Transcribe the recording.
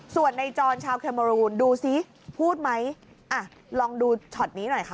ส่วนในจรชาวเคเมอรูนดูซิพูดไหมอ่ะลองดูช็อตนี้หน่อยค่ะ